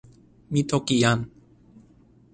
mi toki jan.